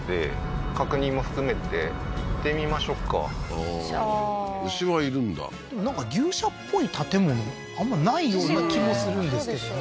ああー牛はいるんだでもなんか牛舎っぽい建物あんまりないような気もするんですけどね